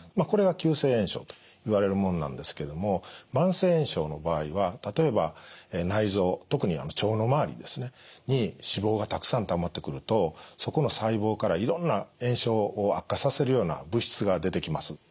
これは急性炎症といわれるものなんですけども慢性炎症の場合は例えば内臓特に腸の周りですねに脂肪がたくさんたまってくるとそこの細胞からいろんな炎症を悪化させるような物質が出てきます。